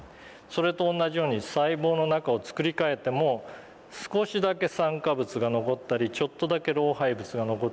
それと同じように細胞の中を作り替えても少しだけ酸化物が残ったりちょっとだけ老廃物が残ったりしてしまいます。